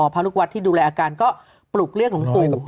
พระลูกวัดที่ดูแลอาการก็ปลุกเรียกหลวงปู่